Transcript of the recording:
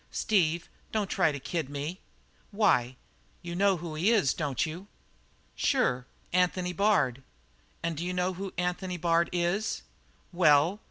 "Steve, don't try to kid me." "Why, you know who he is, don't you?" "Sure; Anthony Bard." "And do you know who Anthony Bard is?" "Well?"